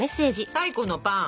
「最古のパン！」。